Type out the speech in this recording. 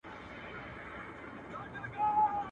o هغه کس کې بې ايمانه، چي زوى گران کي، لور ارزانه.